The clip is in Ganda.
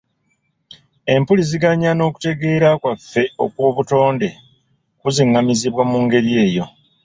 Empuliziganya n'okutegeera kwaffe okw'obutonde kuziŋŋamizibwe mu ngeri eyo